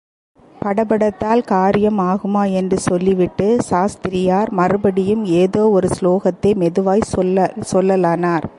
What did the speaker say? படபடத்தால் காரியம் ஆகுமா? என்று சொல்லிவிட்டு, சாஸ்திரியார் மறுபடியும் ஏதோ ஒரு சுலோகத்தை மெதுவாய்ச் சொல்லலானார்.